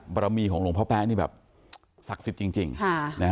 บรรมีของหลวงพ่อแป๊ะนี่แบบศักดิ์สิทธิ์จริงจริงค่ะนะฮะ